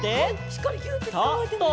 しっかりぎゅってつかまってね。